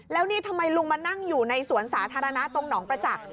แล้วนี่ทำไมลุงมานั่งอยู่ในสวนสาธารณะตรงหนองประจักษ์